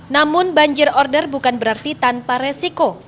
namun banjir order bukan berarti tanpa resiko